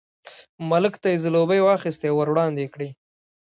ملک ته یې ځلوبۍ واخیستې او ور یې وړاندې کړې.